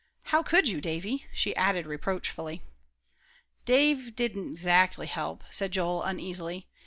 "How could you, Davie?" she added reproachfully. "Dave didn't 'xactly help," said Joel, uneasily.